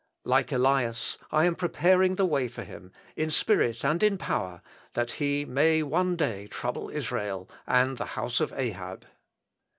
Like Elias, I am preparing the way for him, in spirit and in power, that he may one day trouble Israel, and the house of Ahab."